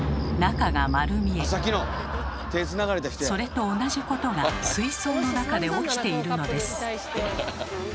それと同じことが水槽の中で起きているのです。